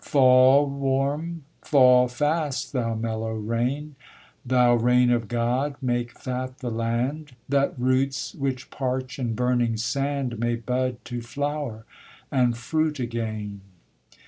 Fall warm, fall fast, thou mellow rain; Thou rain of God, make fat the land; That roots which parch in burning sand May bud to flower and fruit again.